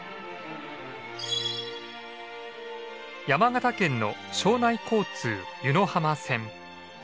山形県の庄内交通湯野浜線。